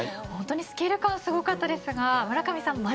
ほんとにスケール感がすごかったですが村上さん